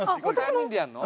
３人でやんの？